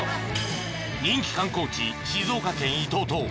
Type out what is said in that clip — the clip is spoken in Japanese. ［人気観光地静岡県］